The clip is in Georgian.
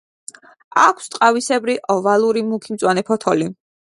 აქვს ტყავისებრი, ოვალური, მუქი მწვანე ფოთოლი.